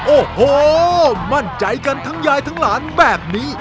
โอ้โหมั่นใจกันทั้งยายทั้งหลานแบบนี้